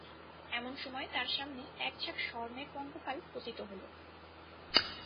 এমন সময় তাঁর সামনে এক ঝাঁক স্বর্ণের পঙ্গপাল পতিত হল।